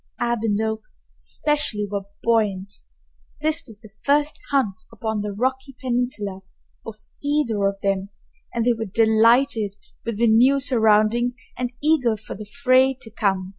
Ab and Oak especially were buoyant. This was the first hunt upon the rocky peninsula of either of them, and they were delighted with the new surroundings and eager for the fray to come.